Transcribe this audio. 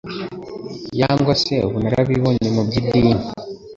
yangwa se ubunararibonye mu by'idini;